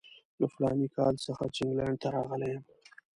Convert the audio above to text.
له فلاني کال څخه چې انګلینډ ته راغلی یم.